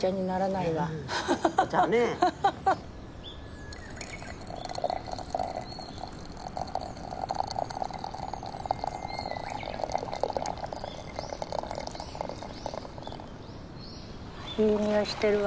いい匂いしてるわ。